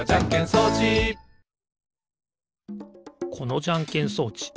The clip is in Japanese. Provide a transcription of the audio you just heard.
このじゃんけん装置